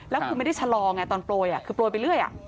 แล้วคือไม่ได้ชะลอไงตอนโปรยคือโปรยไปเรื่อย